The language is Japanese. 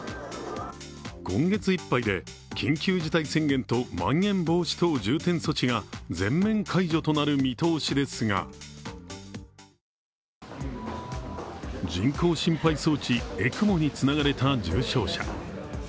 今月いっぱいで緊急事態宣言とまん延防止等重点措置が全面解除となる見通しですが人工心肺装置＝ＥＣＭＯにつながれた重症者。